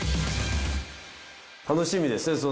楽しみですねその。